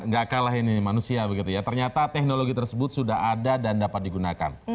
gak kalah ini manusia begitu ya ternyata teknologi tersebut sudah ada dan dapat digunakan